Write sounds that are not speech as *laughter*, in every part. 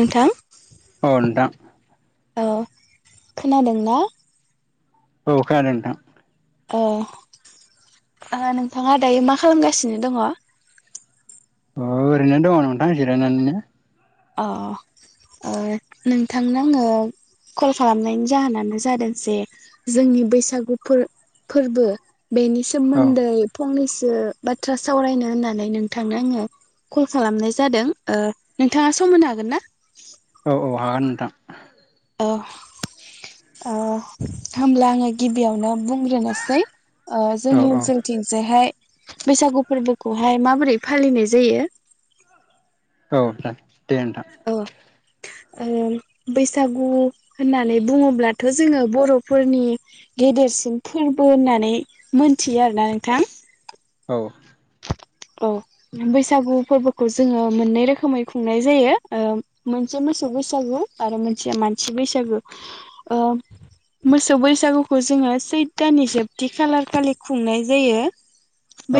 नोंथां अ‌ नोंथां। औ खोनादों ना? औ खोनादों नोंथां। अ ओ नोंथाङा दायो मा खालामगासिनो दङ? अ ओरैनो दङ नोंथां जिरायनानैनो। अ ओ नोंथांनो आङो कल खालामनायनि जाहोनानो जादों जे, जोंनि बैसागु फोर-फोरबो बेनि औ सोमोन्दै फंनैस ओ बाथ्रा सावरायनो होननानै नोंथांनो आङो कल खालामनाय जादों। ओ नों नोंथाङा सम होनो हागोनना? अ हागोन नोंथां अ ओ होमब्ला आङो गिबियावनो बुंग्रोनोसै ओ औ जोंनि ओनसोलथिंजायहाय बैसागु फोरबोखौहाय माबोरै फालिनाय जायो औ दे। दे नोंथां ओ‌म बैसागु होननानै बुङोब्लाथ' जोङो बर'फोरनि गेदेरसिन फोरबो होननानै मोनथियो आरोना नोंथां। औ औ बैसागु फोरबोखौ जोङो मोननै रोखोमै खुंनाय जायो। ओ मोनसे मोसौ बैसागु आरो मोनसेया मानसि बैसागु। ओ मोसौ बैसागुखौ जोङो सैथानि जोबथि खालार खालि खुंनाय जायो।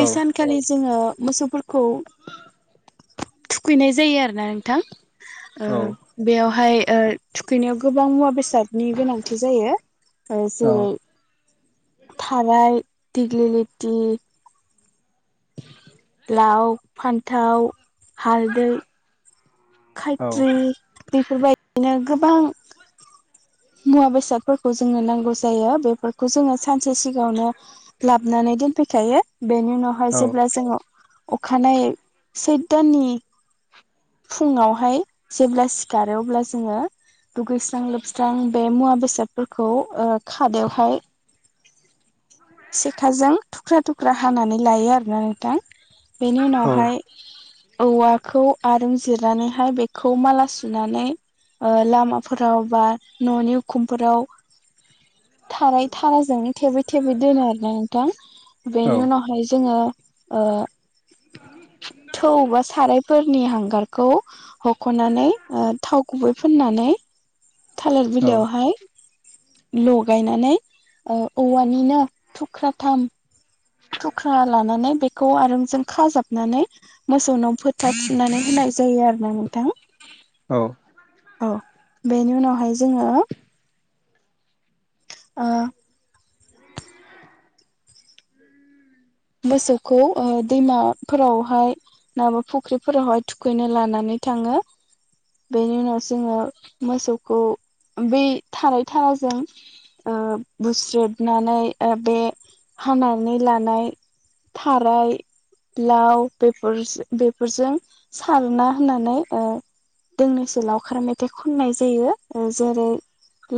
औ सानखालि जोङो मोसौफोरखौ थुखैनाय जायो आरोना नोंथां। ओ औ बेयावहाय ओ थुखैनायाव गोबां मुवा बेसादनि गोनांथि जायो। ओ औ जेरै- थाराय, दिग्लिलिटि लाव, फान्थाव, हालदै औ खायत्रि बेफोरबायदिनो गोबां मुवा बेसादफोरखौ जोंनो नांगौ जायो, बेफोरखौ जोङो सानसे सिगाङावनो लाबोनानै दोनफैखायो, बेनि उनावहाय जेब्ला जोङो अखानायै सैथ दाननि फुङावहाय जेब्ला सिखारो अब्ला जोङो दुगैस्रां लोब स्रां बे मुवा बेसादफोरखौ ओ खादायावहाय सेखाजों थुख्रा थुख्रा हानानै लायो आरोना नोंथां। बेनि उनावहाय औवाखौ आरों जिरनानैहाय बेखौ माला सुनानै ओ लामाफोराव बा न'नि उखुमफोराव थाराय थाराइजोंनो थेबै थेबै दोनो आरोना नोंथां। औ बेनि उनावहाय जोङो ओ फोरनि हांगारखौ हख'नानै ओ थाव गुबै फुननानै थालेर बिलायावहाय लगायनानै ओ औवानिनो थुख्राथाम थुख्रा लानानै बे खौ आरांजों खाजाबनानै मोसौनाव फोथा थुनानै होनाय जायो आरोना नोंथां औ औ बेनि उनावहाय जोङो ओ मोसौखौ ओ दैमाफोरावहाय नंयाबा फख्रिफोरावहाय थुखैनो लानानै थाङो। बेनि उनाव जोङो मोसौखौ बे थाराय थाराजों ओ‌ बुस्रोदनानै ओ बे हानानै लानाय थाराय लाव बेफोरज -बेफोरजों सारना होनानै ओ दोंनैसो लावखार मेथाइ खननाय जायो। ओ जेरै-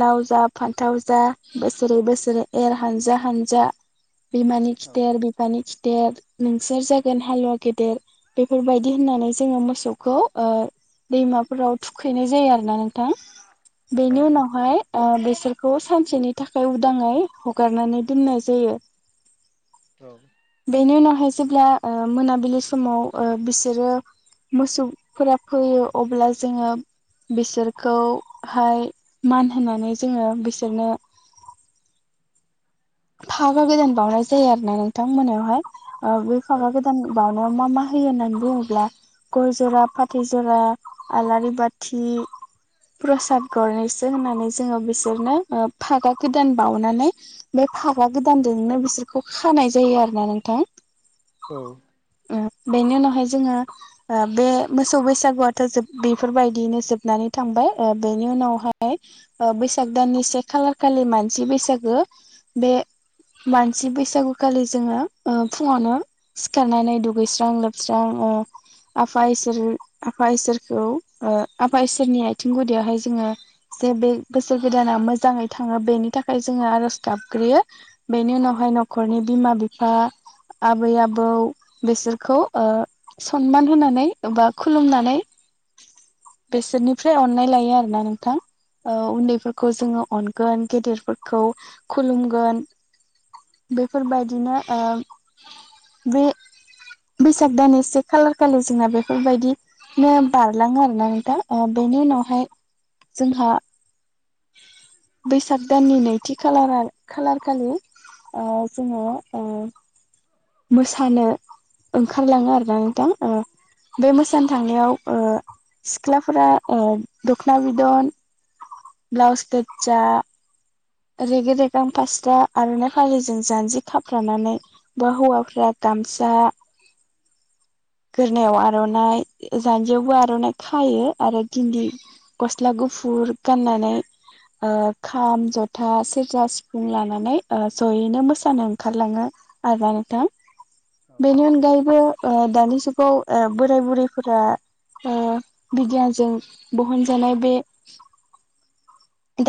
लाव जा फान्थाव जा बोसोरै बोसोरै एर हानजा हानजा बिमानि खिथेर बिफानि खि थेर नोंसोर जागोन हालुवा गेदेर। बेफोरबायदि होननानै जोङो मोसौखौ ओ दैमाफोराव थुखैनाय जायो आरोना नोंथां। बेनि उनावहाय ओ बेसोरखौ सानसेनि थाखाय उदाङै हगारनानै दोननाय जायो। *inaudible* औ बेनि उनावहाय जेब्ला ओ मोनाबिलि समाव ओ बिसोरो मोसौफोरा फैयो अब्ला जोङो बिसोरखौहाय मान होनानै जोङो बिसोरनो *inaudible* फागा गोदान बाउनाय जायो आरोना नोंथां मोनायावहाय ओ बै फागा गोदान बाउनायाव मा मा होयो होननानै बुङोब्ला गय जरा, फाथै जरा, आलारि बाथि प्रसाद गरनैसो होननानै जोङो बिसोरनो फागा गोदान बावनानै बे पागा गोदानजोंनो बिसोरखौ खानाय जायो आरो ना नोंथां औ ओ बेनि उनावहाय जोङो ओ बे मोसौ बैसागुआथ' बेफोरबायदिनो जोबनानै थां बाय बेनि उनावहाय बैसाग दाननि से खालार खालि मानसि बैसागो बे मानसि बैसागुखालि जोङो ओ फुङावनो सिखारनानै दुगैस्रां लोबस्रां अ आफा इसोर आफा इसोरखौ आफा इसोरनि आथिं गुदियावहाय जोङो जे बे बोसोर गोदाना मोजाङै थाङो बेनि थाखाय जोङो आरज गाबग्रोयो बेनि उनावहाय न'खरनि बिमा बिफा आबै आबौ बिसोरखौ ओ सनमान होनानै बा खुलुमनानै बेसोरनिफ्राय अननाय लायो आरोना नोंथां ओ उन्दैफोरखौ जोङो अनगोन गेदेरफोरखौ खुलुमगोन बेफोरबायदिनो ओ बे बैसाग दान एसे खालार खालि जोंना बेफोरबायदिनो बारलाङो आरो ना नोंथां ओ बे बेनि उनावहाय जोंहा बैसाग दाननि नैथि खा खालारा खालार खालि ओ जोङो ओ मोसानो ओंखारलाङो आरोना नोंथां ओ बे मोसानो थांनायाव ओ सिख्लाफोरा ओ दख'ना बिदन, ब्लाउस गोतजा रेगि रेगां फास्रा आर'नाइ फालिजों जानजि खाफ्रानानै बा हौवाफ्रा गामसा गोरनायाव आर'नाइ जान्जियावबो आर'नाइ खायो आरो दिन्दि गस्ला गु फुर गाननानै ओ खाम, जथा, सेर्जा, सिफुं लानानै जयैनो मोसानो ओंखारलाङो आरोना नोथां बेनि अनगायैबो ओ दा जु गाव बोराय बुरैफोरा ओ बिगियानजों बहनजानाय बे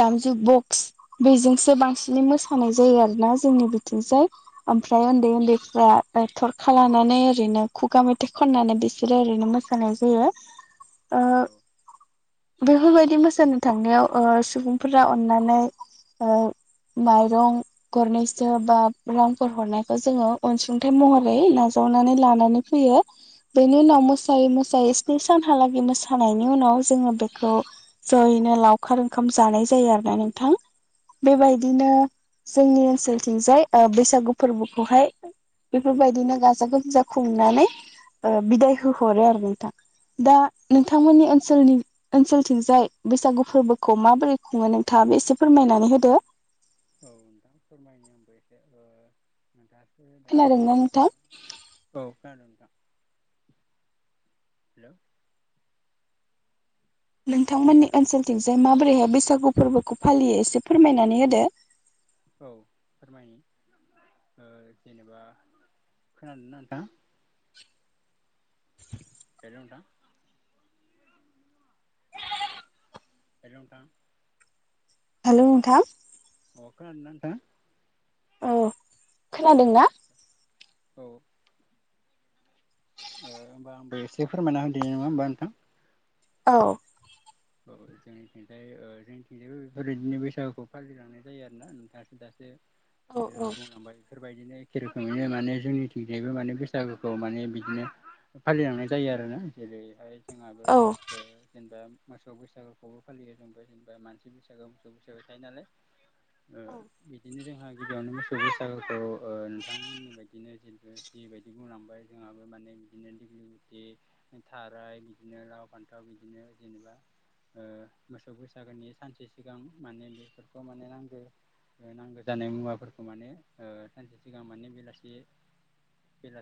दामजु बक्स बेजोंसो बांसिनै मोसानाय जायो आरोना जोंनि बिथिंजाय ओमफ्राय उन्दै उन्दैफ्रा थर खा लानानै ओरैनो खुगा मेथाइ खननानै बिसोरो ओरैनो मोसानाय जायो‌‌। ओ बेफोरबायदि मोसानो थांनायाव ओ सुबुंफोरा अननानै बा माइरं गरनैसो बा रांफोर हरनायखौ जोङो अनसुंथाइ महरै नाजाव नानै लानानै फैयो बेनि उनाव मोसायै मोसायै स्नि सानहालागै मोसानायनि उनाव जोङो बेखौ जयैनो लावखार ओंखाम जानाय जायो आरोना नोंथां बेबायदिनो जोंनि ओनसोलथिंजाय ओ बैसागु फोरबोखौहाय बेफोरबायदिनो गाजा गोमजा खुंनानै ओ बिदाय होहरो आरो नोंथां दा नोंथांमोननि ओसोलनि ओनसोलथिंजाय बैसागु फोरबो खौ माबोरै खुङो नोंथाङाबो एसे फोरमायनानै होदो। औ नोंथां फोरमायनो आबो एसे दासो खोनादोंना नोंथां? बुंलांदोंमोन औ खोनादों नोंथां हेल' नोंथांमोननि नोंथां ओनसोलथिंजाय माबोरैहाय बैसागु फोरबोखौ फालियो एसे फोरमायनानै होदो औ फोरमायोनि ओ जेनेबा खोनादों ना नोंथां? हेल' नोंथां? हेल' नोंथां? हेलौ नोंथा? औ? औ खोनादोंना औ होनोमबा आंबो एसे फोरमायना होदनाय नङा होमबा नोंथां औ औ जोंनिथिंजाय जोंनिथिंजायबो बेफोरबायदिनो बैसागुखौ फालिलांनाय जायो आरोना नोंथाङाजो दासो औ बुंलांबायफोर बेबायदिनो एखे रोखोमैनो माने जोंनिथिंजायबो माने बैसागुखौ माने बिदिनो फालिलांनाय जायो आरो ना जेरैहाय जोंहाबो औ जेनेबा मोसौ बैसागुखौबो फालियो जोंबो जेनेबा मानसि बैसागो मोसौ बैसागु थायो नालाय। बिदिनो जोंहा गिबियावनो मा ससागखौ नोंथांमोननि बायदिनो जिथु जि बायदि बुंलांबाय जोंहाबो माने बिदिनो बि थाराय बिदिनो लाव फान्थाव बिदिनो जेनेबा मोसौव बैसागोनि सानसे सिगां माने बेफोरखौ माने नांगौ। नांगौ जानाय मुवाफोरखौ माने सानसे सिगां माने बेलासि बेला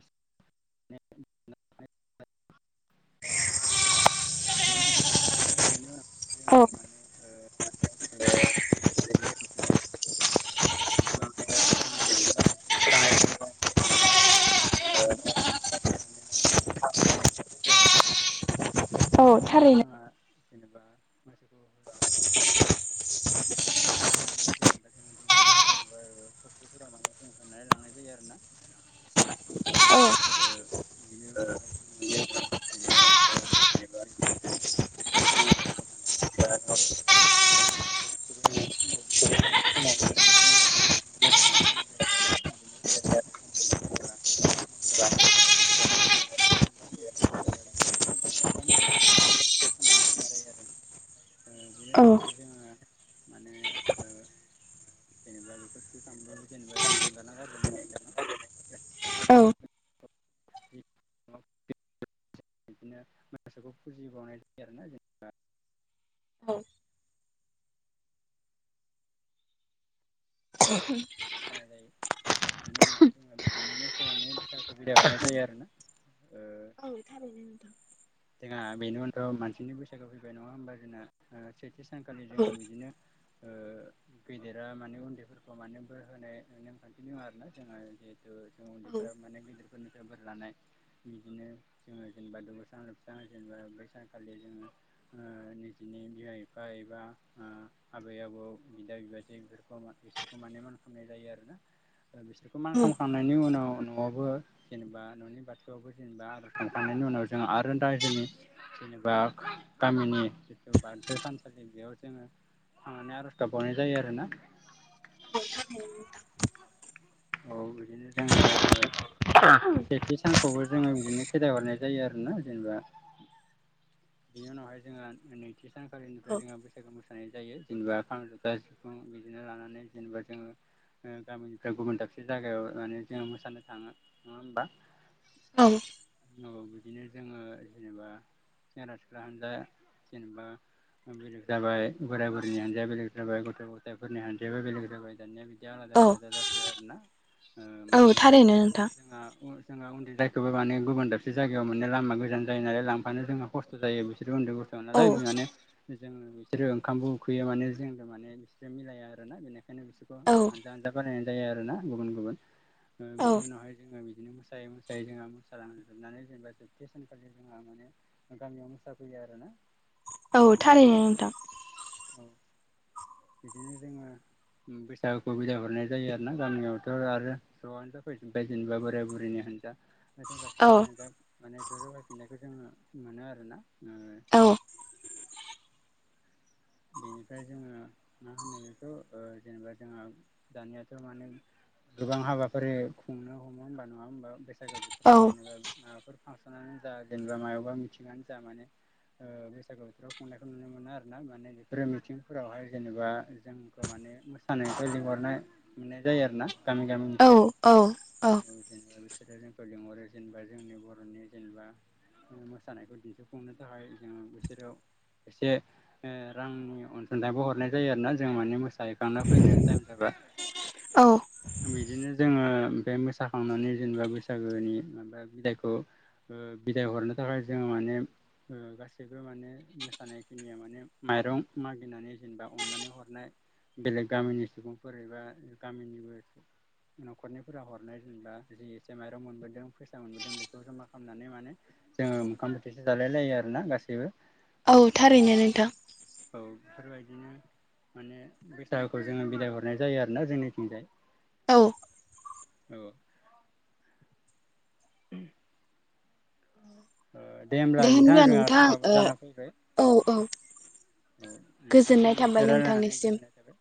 *unintelligible* बेनो औ माने बे स नेल गलि मोन जग मान फान्थाव बेफोरखौ माने हानानै लानाय जायो आरो ना। औ थारैनो जेनेबा मोसौखौ अनानै जोंबा ज दैमा दैसा ना फख्रिफोरा माने जों होनानै लांनाय जायो आरोना। *inaudible* बिनो नहाय जोंङो जेनेबा जेनेबा जोंङो लांफानाय जेनेबा रावखान्थियाव बेफोरखौ माने जोंङो मोसौखौ थुखुबाय थानाय समावनो माने जों बेनि मोदोमावहाय जेनेबा जों खारनानै होनाय जायो आरो बिबा नांजा फान रजा बोसोरै बोसोरै हानजा हानजा होननानै जेनेबा बिदिनो खबबा मेथाइ दङ ना जोंना बेखौ फाननानै फाय जायो आरो ना। बिनि औ उनावहाय जोङो माने जेनेबा बेफोरखौ सखांबबो जेनेबा जों एंगारना गारबोनाय जायो आरो ना। *inaudible* औ बिदिनो मसोखौ फुजिबावनाय जायो आरोना जेनेबा औ जानाय जायो बिनि उनावहाय जोंङो बिदिनो मोसौव नि बैसागु बिदाइ हरनाय जायो आरो ना। औ थारयोंनो नोंथां। जोंहा बेनि उनाव मानसिनि बैसागो फैबाय नङा होमबा जोंना सैथि सानखालि औ जोङो बिदिनो गेदेरा माने उन्दैफोरखौ माने ब होनाय नेमखान्थि दङा आरोोना जोङो जिहेथु जों उन्दैफोरा माने गिदिरफोरनिफ्राय बोर लानाय बिदिनो जोङो जेनेबा दगोसां लोबस्रां जेनेबा बैसानखालि जोंङो निज ानि बिमा बिफा एबा आबै आबौ बिदा बिबाजै बेफोरखौ बिसोरखौ मान मनाय जायो आरो ना बिसोरखौ मान औ खालामखांनायनि उनाव न'आवबो जेनेबा न'नि बाथौआवबो जेनेबा आज थांखांनायनि नि उनाव जों आरो दा जोंनि जेनेबा गामिनि जिथु बाथौ थानसालि बेयाव जोङो थांनानै आर'ज गाबबावनाय जायो आरोना *unintelligible* औ बिदिनो जोङो ओ। *unintelligible* सानखौबो जोङो बिदिनो खेदाय हरनाय जायो आरो ना जेनेबा बिनि उनावहाय जोङो नैथि सानखालिनिफ्राय जोङो बैसागो मोस नाय जायो जेनेबा खाम जथा सिफुं बिदिनो लानानै जेनेबा जोङो ओ गामिनिफ्राय गुबुन दाबसे जायगायाव माने जोङो मोसानो थाङो नङा होमबा? औ औ बिदिनो जोङो जेनेबा सेंग्रा सिख्ला हानजा जेनेबा बेलेग जाबाय बोराय बुरिनि हान्जाया बेलेग जाबाय गथ' गथायफोरनि हान्जायाबो बेलेग जाबाय दानिया बिदि बिदि आलादा आलादा जासै आरोना ओ औ माने थारैनो नोंथां जोंहा जोंहा उन्दै जायखौबो माने गुबुन दाबसे जायगायाव माने लामा गोजान जायो नालाय लांफानो जोंहा खस्थ' जायो बिस बिसोरथ' उन्दै गथ' नालाय औ बे माने जोङो बिसिनि बिसोरो ओंखामबो उखैयो माने जोंनो माने बिसोरो मिलाया आरोना बेनिखायनो बिसोरखौ औ आनजा आनजा बानायनानै जायो आरोना गुबुन गुबुन ओ औ बिनि उनावहाय जोङो बिदिनो मोसायै मोसायै जोङो गालांजोबनानै जेनेबा जोबथि सानखालि जोंहा माने गामियाव मोसाफैयो आरोना औ थारैनो नोंथां औ बिदिनो जोङो बैसागुखौ बिदाय हरनाय जायो आरो ना गामियावथ' आरो ज'आनो जाफैफिनबाय जेनेबा बोराय बुरैनि हान्जा सेंग्रा औ सिख्लानि हान्जा माने ज' जागायफिननायखौ जोङो मोनो आरोना ओ औ बेनिफ्राय जोङो मा होनो बेखौ ओ जेनेबा जोंहा दानियाथ' माने गोबां हाबाफारि खुंनो हमो होनबा नङा होमबा बैसागो औ बोथोराव जेनेबा मा बेफोर फांसनानो जा जेनेबा मायावबा मिटिङानो जा माने ओ बैसागु बोथोराव खुंनायखौ नुनो मोनो आरोना माने बेख फोर मिथिंफोरावहाय जेनेबा जोंखौ माने मोसानायखौ लिंहरनाय मोननाय जायो आरो ना गामि गामिनिफ्राय औ औ ओ जेनबा बिसिनि बिसोरो जोंखौ लिंहरो जेनेबा जोंनि बर'नि जेनेबा मोसानायखौ दिन्थिफुंनो थाखाय जोङो बिसोरखौ एसे ओ रांनि अनसुंथाइबो हरनाय जायो आरोना जों माने मोसाहैखांना फैनो टाइम जाबा औ बिदिनो जोङो बे मोसाखांनानै जेनेबा बैसागोनि माबा बिलायखौ ओ बिदाय हरनो थाखाय जोङो माने ओ गासैबो माने मोसानाय खिनिया माने माइरं मागिनानै जेनेबा अननानै हरनाय बेलेग गामिनि सुबुंफोर एबा गामिनिबो न'खरनिफोरा हरनाय जेनेबा जि एसे माइरं मोनबोदों फैसा मोनबोदों बेखौ जमा खालामनानै माने जोङो ओखाम बोथिसो जालाय लायो आरोना गासैबो औ थारैनो नोंथां औ बेफोरबायदिनो माने बैसागुखौ जोङो बिदाइ हरनाय जायो आरोना जोंनिथिंजाय औ औ ओ दे होमब्ला नोंथाङा होनब्ला जोंहा नोंथां समाबो ओ जाना फैबाय औ औ औ नोंथांजों गोजोननाय एसे थाबाय रायलायनानै नोंथांनिसिम गोजोननाय थाबाय